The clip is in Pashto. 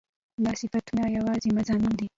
دا صفتونه يواځې مضامين دي